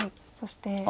そして。